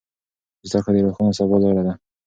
زده کړه د روښانه سبا لاره ده.